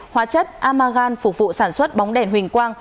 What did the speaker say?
hóa chất amagan phục vụ sản xuất bóng đèn huỳnh quang